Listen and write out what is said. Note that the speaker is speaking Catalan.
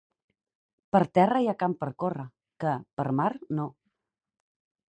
Per terra hi ha camp per córrer, que per mar, no.